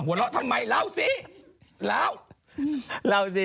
อนหัวล้อทำไมเดี๋ยวเล่าซิ